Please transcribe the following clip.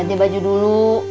nanti baju dulu